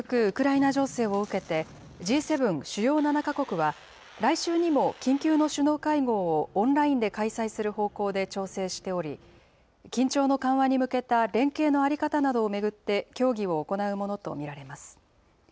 ウクライナ情勢を受けて、Ｇ７・主要７か国は、来週にも緊急の首脳会合をオンラインで開催する方向で調整しており、緊張の緩和に向けた連携の在り方などを巡って、協議を行うものと見られます。